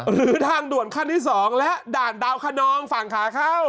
หรือทางด่วนขั้นที่๒และด่านดาวคนองฝั่งขาเข้า